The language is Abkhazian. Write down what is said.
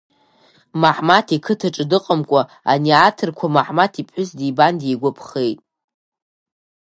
Маҳмаҭ иқыҭаҿы дыҟамкәа ани аҭырқәа Маҳмаҭ иԥҳәыс дибан дигәаԥхеит.